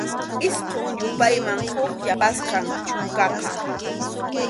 Isqun yupayman huk yapasqam chunkaqa.